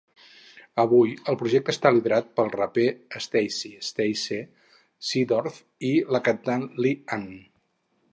Avui el projecte està liderat pel raper Stacey "Stay-C" Seedorf i la cantant Li Ann.